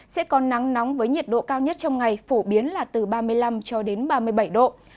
sẽ có nắng nóng với nhiệt độ cao nhất trong ngày phổ biến là từ ba mươi năm cho đến ba mươi bảy độ